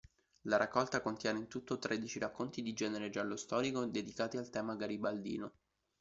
La raccolta contiene in tutto tredici racconti di genere giallo-storico dedicati al tema garibaldino.